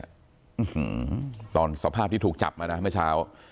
อืมตอนสภาพที่ถูกจับมานะเมื่อเช้า